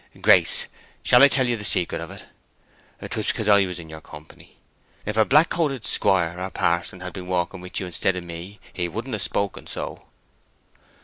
Grace, shall I tell you the secret of it? 'Twas because I was in your company. If a black coated squire or pa'son had been walking with you instead of me he wouldn't have spoken so."